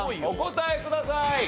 お答えください。